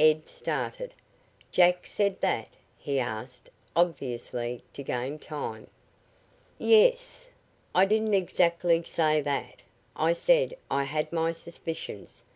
Ed started. "Jack said that?" he asked, obviously to gain time. "Yes." "I didn't exactly say, that. I said I had my suspicions.